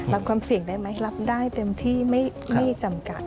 รับความเสี่ยงได้ไหมรับได้เต็มที่ไม่จำกัด